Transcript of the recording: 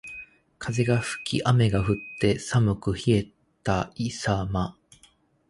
風が吹き雨が降って、寒く冷たいさま。